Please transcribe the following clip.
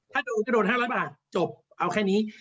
ถ้าโดน๕๐๐บาทจบเอาแค่นี้